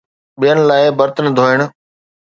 ٻين لاءِ برتن ڌوئڻ